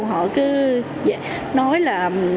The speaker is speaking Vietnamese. họ cứ nói là